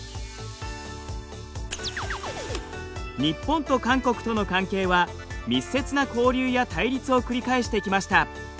日本と韓国との関係は密接な交流や対立を繰り返してきました。